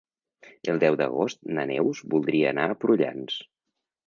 El deu d'agost na Neus voldria anar a Prullans.